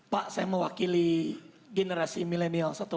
pak saya mewakili generasi milenial